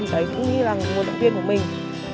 thì đấy cũng như là một động viên của mình